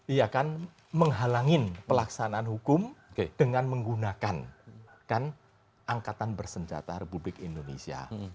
ya kan menghalangi pelaksanaan hukum dengan menggunakan angkatan bersenjata republik indonesia